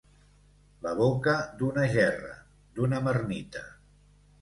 La boca d'una gerra, d'una marmita.